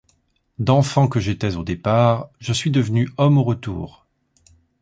D’enfant que j’étais au départ, je suis devenu homme au retour.